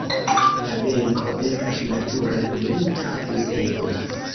La benko estas nature publika, uzebla.